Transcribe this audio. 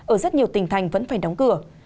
ở rất nhiều tỉnh thành vẫn phải đóng cửa